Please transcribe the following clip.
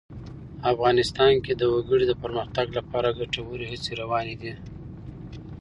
افغانستان کې د وګړي د پرمختګ لپاره ګټورې هڅې روانې دي.